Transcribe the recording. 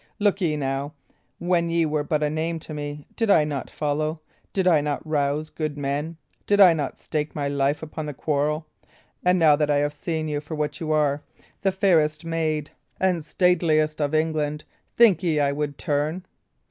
Look ye, now, when ye were but a name to me, did I not follow did I not rouse good men did I not stake my life upon the quarrel? And now that I have seen you for what ye are the fairest maid and stateliest of England think ye I would turn?